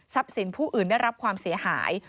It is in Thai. สินผู้อื่นได้รับความเสียหาย